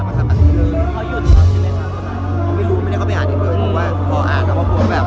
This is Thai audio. เพราะว่าพออ่านเดี๋ยวมาดูว่าเหลือผลบุรกแบบ